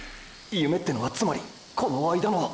夢ってのはつまりこの間の！！